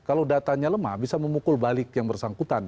kalau datanya lemah bisa memukul balik yang bersangkutan